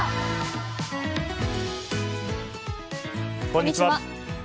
こんにちは。